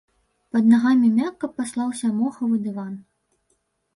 Пад нагамі мякка паслаўся мохавы дыван.